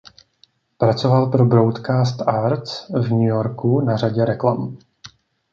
Pracoval pro Broadcast Arts v New Yorku na řadě reklam.